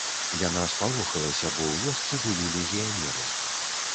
Яна спалохалася, бо ў вёсцы былі легіянеры.